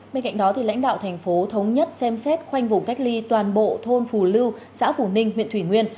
bên cạnh đó lãnh đạo thành phố thống nhất xem xét khoanh vùng cách ly toàn bộ thôn phù lưu xã phù ninh huyện thủy nguyên